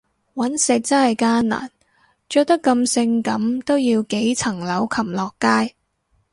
搵食真係艱難，着得咁性感都要幾層樓擒落街